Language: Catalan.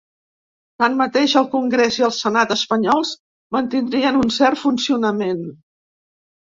Tanmateix, el congrés i el senat espanyols mantindrien un cert funcionament.